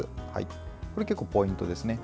これは結構ポイントですね。